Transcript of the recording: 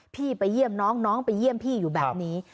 พี่ไปเยี่ยมน้องน้องไปเยี่ยมพี่อยู่แบบนี้